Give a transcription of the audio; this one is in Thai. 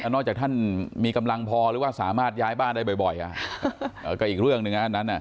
นอกจากท่านมีกำลังพอหรือว่าสามารถย้ายบ้านได้บ่อยก็อีกเรื่องหนึ่งอันนั้น